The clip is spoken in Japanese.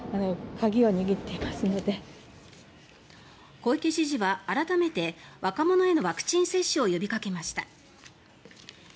小池知事は改めて若者へのワクチン接種を呼びかけました。